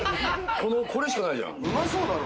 これしかないじゃん。